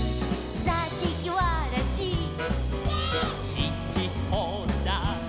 「しちほだ」